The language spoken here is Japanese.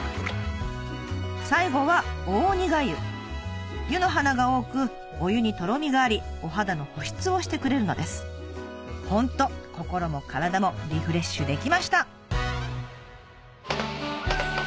最後は湯の花が多くお湯にとろみがありお肌の保湿をしてくれるのですホント心も体もリフレッシュできました